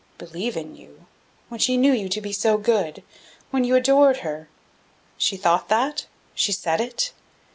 "Believe in you? when she knew you to be so good! when you adored her!" "She thought that? She said it?